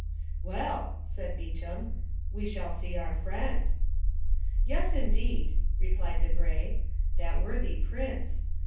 "Well," said Beauchamp, "we shall see our friend!" "Yes, indeed!" replied Debray. "That worthy prince.